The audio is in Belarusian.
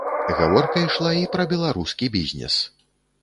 Гаворка ішла і пра беларускі бізнес.